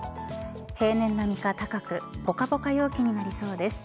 平年並みか高くぽかぽか陽気になりそうです。